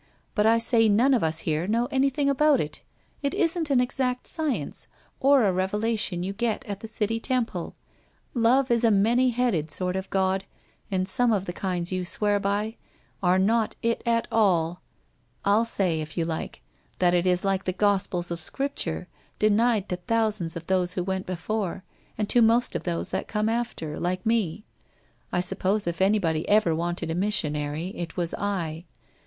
But I say none of us here know anything about it. It isn't an exact science, or a revelation you get at the City Temple. Love is a many headed sort of god, and some of the kinds you WHITE ROSE OF WEARY LEAF 359 swear by, are not it at all. I'll say, if you like, that it is like the gospel of Scripture, denied to thousands of those who went before, and to most of those that come after, like me. I suppose if anybody ever wanted a missionary, it was I.